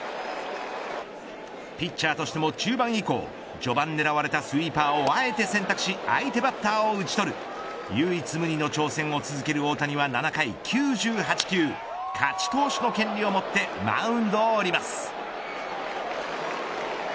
ピッチャーとしても中盤以降序盤狙われたスイーパーをあえて選択し相手バッターを打ち取る唯一無二の挑戦を続ける大谷は７回９８球勝ち投手の権利を持ってマウンドを降ります。